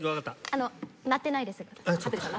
あの鳴ってないです。